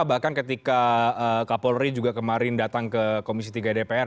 bahkan ketika kapolri juga kemarin datang ke komisi tiga dpr